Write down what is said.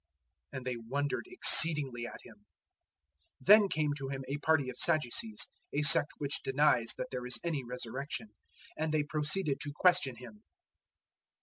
And they wondered exceedingly at Him. 012:018 Then came to Him a party of Sadducees, a sect which denies that there is any Resurrection; and they proceeded to question Him.